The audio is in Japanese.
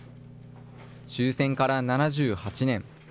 終戦から７８年。